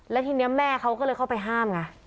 แล้วทีนี้แม่เขาก็เลยเข้าไปห้ามไง